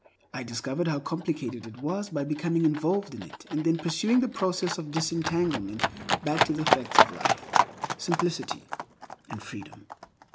I discovered how complicated it was by becoming involved in it and then pursuing the process of disentanglement back to the facts of life, simplicity, and freedom.